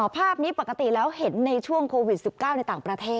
ภาพนี้ปกติแล้วเห็นในช่วงโควิด๑๙ในต่างประเทศ